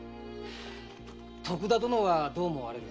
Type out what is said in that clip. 徳田殿はどう思われる？